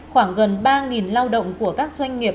khoảng gần ba lao động của các doanh nghiệp